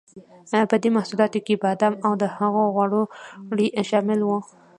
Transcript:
په دې محصولاتو کې بادام او د هغه غوړي شامل وو.